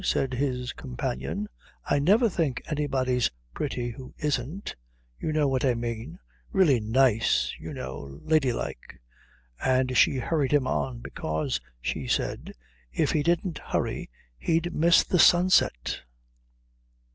said his companion. "I never think anybody's pretty who isn't you know what I mean really nice, you know lady like " And she hurried him on, because, she said, if he didn't hurry he'd miss the sunset.